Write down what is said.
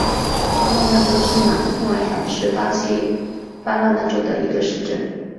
巴拉那州圣马诺埃尔是巴西巴拉那州的一个市镇。